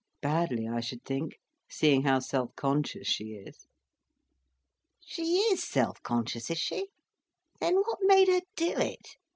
"Badly, I should think; seeing how self conscious she is." "She is self conscious, is she? Then what made her do it?